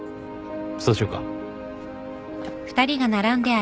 そうしようか。